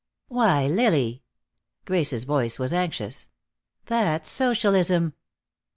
"Why, Lily!" Grace's voice was anxious. "That's Socialism."